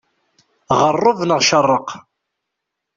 Ɣeṛṛeb, neɣ ceṛṛeq!